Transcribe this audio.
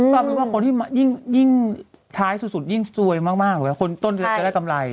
กลายเป็นว่าคนที่ยิ่งท้ายสุดยิ่งสวยมากเลยคนต้นจะได้กำไร